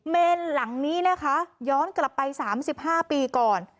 หลังนี้นะคะย้อนกลับไป๓๕ปีก่อน